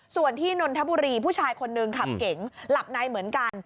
ส่วนที่นนทบุรีผู้ชายคนหนึ่งขับเก๋งหลับในเหมือนกัน